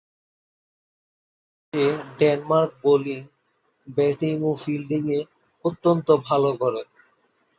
উক্ত সিরিজে Denmark bowling, batting ও ফিল্ডিং এ অত্যন্ত ভাল করে।